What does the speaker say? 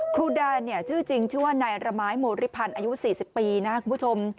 ครูแดนชื่อจริงชื่อว่านายระไม้โมริพันธ์อายุ๔๐ปีนะครับคุณผู้ชม